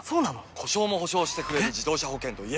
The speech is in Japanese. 故障も補償してくれる自動車保険といえば？